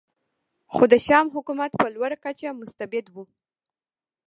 خو د شیام حکومت په لوړه کچه مستبد و